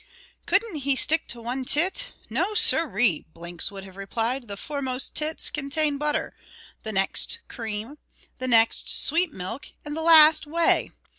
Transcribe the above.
Couldn't he stick to one tit? "No, sirree!" Blinks would have replied, "the foremost tits contain butter, the next cream, the next sweet milk, and the last whey.